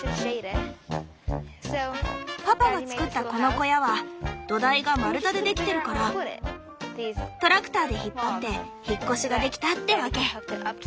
パパが造ったこの小屋は土台が丸太でできてるからトラクターで引っ張って引っ越しができたってわけ。